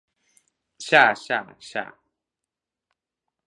Xa, xa, xa.